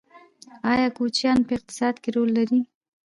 آیا کوچیان په اقتصاد کې رول لري؟